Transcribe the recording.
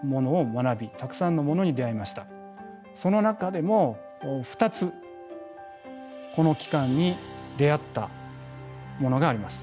その中でも２つこの期間に出会ったものがあります。